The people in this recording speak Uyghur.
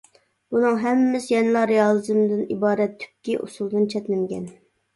بۇنىڭ ھەممىسى يەنىلا رېئالىزمدىن ئىبارەت تۈپكى ئۇسۇلدىن چەتنىمىگەن.